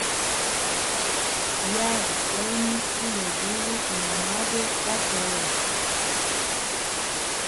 Yaga toni ulwegulu na mabwe gatowa.